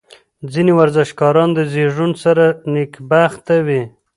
ځینې ورزشکاران د زېږون سره نېکبخته وي.